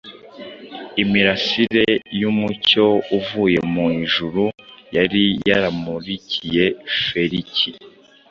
Imirasire y’umucyo uvuye mu ijuru yari yaramurikiye Feliki